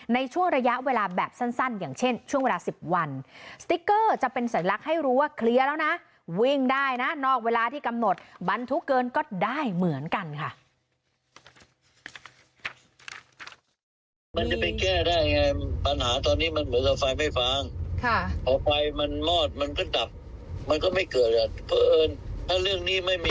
ในช่วงระยะเวลาแบบสั้นอย่างเช่นช่วงเวลา๑๐วันสติ๊กเกอร์จะเป็นสัญลักษณ์ให้รู้ว่าเคลียร์แล้วนะวิ่งได้นะนอกเวลาที่กำหนดบรรทุกเกินก็ได้เหมือนกันค่ะ